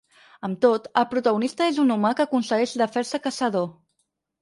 Amb tot, el protagonista és un humà que aconsegueix de fer-se caçador.